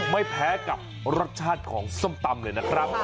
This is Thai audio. ไม่แพ้กับรสชาติของส้มตำเลยนะครับ